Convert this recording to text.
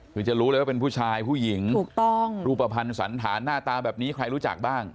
คือจะรู้เลยว่าเป็นผู้ชายผู้หญิงถูกต้องรูปภัณฑ์สันฐานหน้าตาแบบนี้ใครรู้จักบ้าง